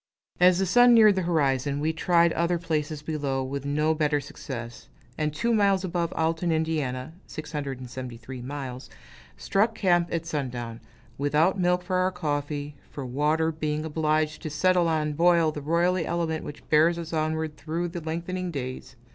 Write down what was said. As the sun neared the horizon, we tried other places below, with no better success; and two miles above Alton, Ind. (673 miles), struck camp at sundown, without milk for our coffee for water, being obliged to settle and boil the roily element which bears us onward through the lengthening days.